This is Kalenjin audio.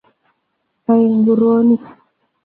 bai nguruonik